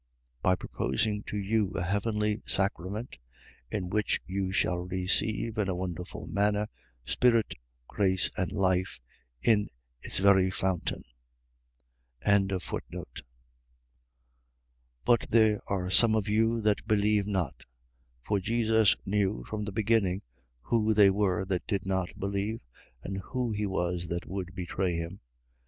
. .By proposing to you a heavenly sacrament, in which you shall receive, in a wonderful manner, spirit, grace, and life, in its very fountain. 6:65. But there are some of you that believe not. For Jesus knew from the beginning who they were that did not believe and who he was that would betray him.